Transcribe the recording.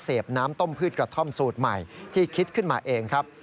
น้ำต้มพืชกระท่อมสูตรใหม่ที่คิดขึ้นมาเองครับ